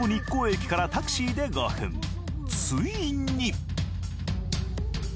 ついに！